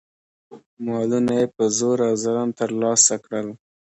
مالونه یې په زور او ظلم ترلاسه کړل.